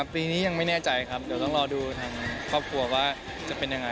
ปีนี้ยังไม่แน่ใจครับเดี๋ยวต้องรอดูทางครอบครัวว่าจะเป็นยังไง